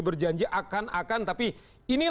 berjanji akan akan tapi